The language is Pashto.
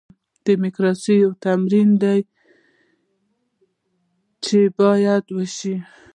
ډیموکراسي یو تمرین دی چې باید وشي.